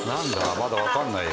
まだわかんないよ。